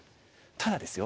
ただですよ